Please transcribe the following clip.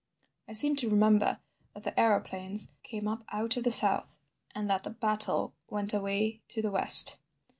"I seem to remember that the aeroplanes came up out of the south, and that the battle went away to the west.